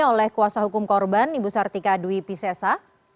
oleh kuasa hukum korban ibu sartika dwi pisesa